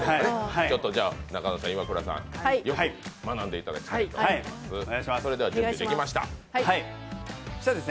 中野さん、イワクラさんよく学んでいただきたいと思います。